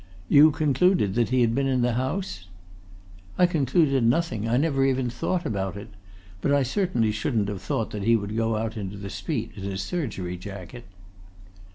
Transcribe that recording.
"You concluded that he had been in the house?" "I concluded nothing. I never even thought about it. But I certainly shouldn't have thought that he would go out into the street in his surgery jacket."